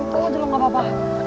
pokoknya dulu gak apa apa